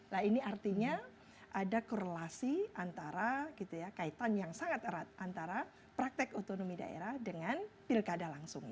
nah ini artinya ada korelasi antara gitu ya kaitan yang sangat erat antara praktek otonomi daerah dengan pilkada langsung